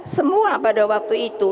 semua pada waktu itu